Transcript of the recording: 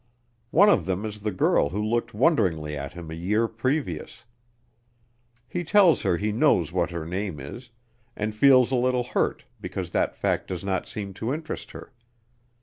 One of them is the girl who looked wonderingly at him a year previous. He tells her he knows what her name is, and feels a little hurt because that fact does not seem to interest her.